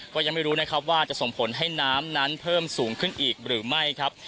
ก็ยังไม่รู้นะครับว่าจะส่งผลให้น้ำนั้นเพิ่มสูงขึ้นอีกหรือไม่ครับ